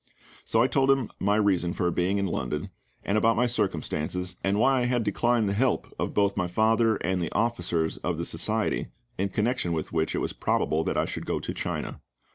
So I told him my reason for being in London, and about my circumstances, and why I had declined the help of both my father and the officers of the Society in connection with which it was probable that I should go to China.